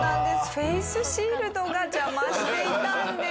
フェイスシールドが邪魔していたんです。